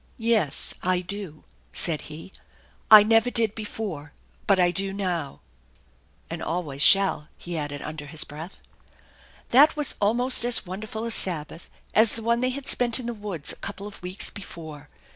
" Yes, I do/' said he. " I never did before, but I do now, and always shall/' he added under his breath. That was almost as wonderful a Sabbath as the one they had spent in the woods a couple of weeks before.